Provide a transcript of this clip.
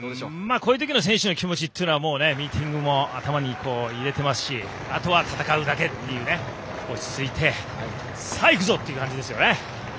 こういう時の選手の気持ちはミーティングを頭に入れていますしあとは戦うだけという落ち着いてさあいくぞ！という感じですよね。